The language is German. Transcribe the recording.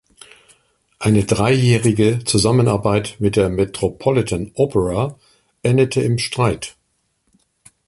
Eine dreijährige Zusammenarbeit mit der Metropolitan Opera endete im Streit.